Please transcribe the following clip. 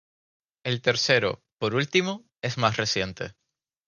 El tercero, por último, es más reciente.